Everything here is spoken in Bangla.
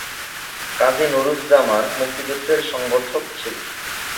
কাজী নুরুজ্জামান মুক্তিযুদ্ধের সংগঠক ছিলেন।